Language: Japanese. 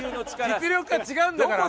実力が違うんだから。